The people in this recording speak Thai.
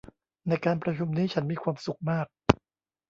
ในการประชุมนี้ฉันมีความสุขมาก